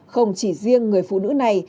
không chỉ riêng người phụ nữ này